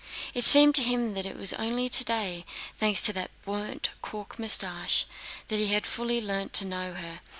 It seemed to him that it was only today, thanks to that burnt cork mustache, that he had fully learned to know her.